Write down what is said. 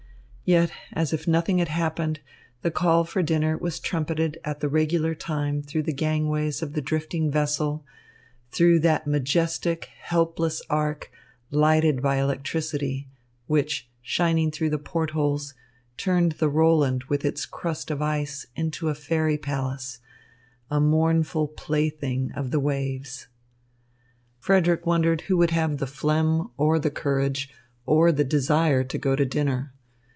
Yet, as if nothing had happened, the call for dinner was trumpeted at the regular time through the gangways of the drifting vessel, through that majestic, helpless ark, lighted by electricity, which, shining through the port holes, turned the Roland with its crust of ice into a fairy palace, a mournful plaything of the waves. Frederick wondered who would have the phlegm or the courage or the desire to go to dinner.